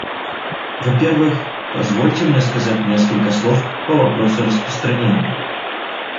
Во-первых, позвольте мне сказать несколько слов по вопросу распространения.